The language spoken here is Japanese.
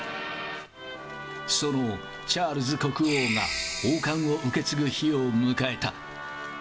そのチャールズ国王が王冠を受け継ぐ日を迎えた。